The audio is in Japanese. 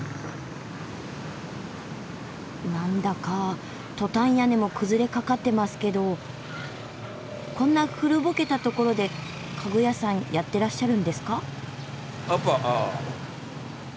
なんだかトタン屋根も崩れかかってますけどこんな古ぼけたところで家具屋さんやってらっしゃるんですか？